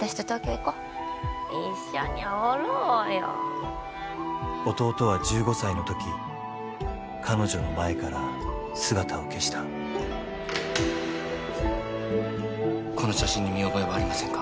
こう一緒におろうよ弟は１５歳のとき彼女の前から姿を消したこの写真に見覚えはありませんか？